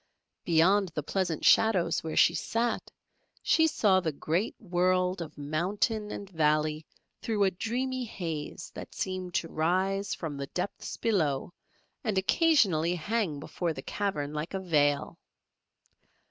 Beyond the pleasant shadows where she sat, she saw the great world of mountain and valley through a dreamy haze that seemed to rise from the depths below and occasionally hang before the cavern like a veil.